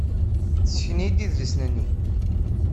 Tessken-iyi-d adlis-nni.